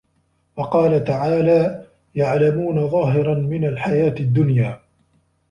وَقَالَ تَعَالَى يَعْلَمُونَ ظَاهِرًا مِنْ الْحَيَاةِ الدُّنْيَا